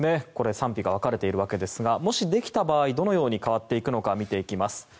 賛否が分かれているわけですがもしできた場合どのように変わっていくのか見ていきます。